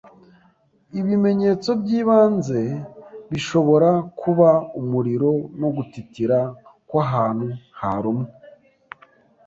Ibimenyetso by’ibanze bishobora kuba umuriro no gutitira kw’ahantu harumwe